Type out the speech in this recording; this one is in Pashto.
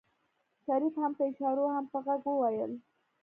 شريف هم په اشارو هم په غږ وويل.